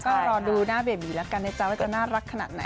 รอดูน่าเบบีละกันในเจ้าว่าจะน่ารักขนาดไหน